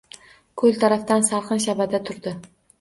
Koʼl tarafdan salqin shabada turdi.